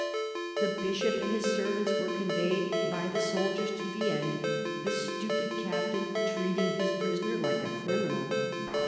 The Bishop and his servants were conveyed by the soldiers to Vienne, the stupid captain treating his prisoner " Hke a criminal."